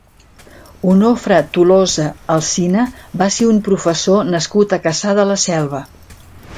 Onofre Tolosa Alsina va ser un professor nascut a Cassà de la Selva.